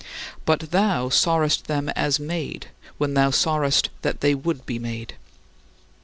But thou sawest them as made when thou sawest that they would be made.